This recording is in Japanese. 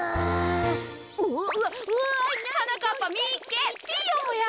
はなかっぱみっけ。ピーヨンもや。